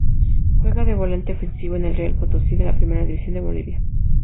Juega de volante ofensivo en el Real Potosí de la Primera División de Bolivia.